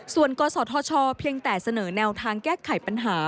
ส่วนกศธชเพียงแต่เสนอแนวทางแก้ไขปัญหา